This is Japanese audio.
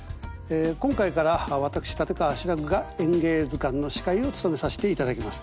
今回から私立川志らくが「演芸図鑑」の司会を務めさせていただきます。